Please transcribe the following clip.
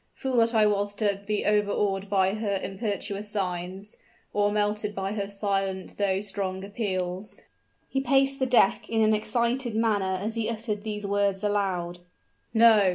Fool that I was to be overawed by her impetuous signs, or melted by her silent though strong appeals!" He paced the deck in an excited manner as he uttered these words aloud. "No!"